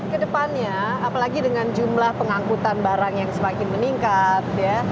kedepannya apalagi dengan jumlah pengangkutan barang yang semakin meningkat